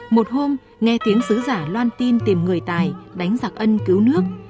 một hôm nghe tiếng xứ giả loan tin tìm người tài đánh giặc ân cứu nước